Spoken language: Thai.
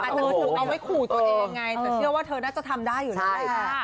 ตัวเองไงเธอเชื่อว่าเธอน่าจะทำได้อยู่นั่นแหละ